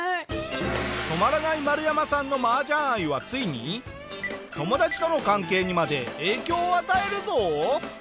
止まらないマルヤマさんの麻雀愛はついに友達との関係にまで影響を与えるぞ！